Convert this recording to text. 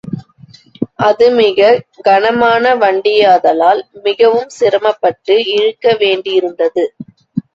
அது மிகக் கனமான வண்டியாதலால் மிகவும் சிரமப்பட்டு இழுக்கவேண்டியிருந்தது.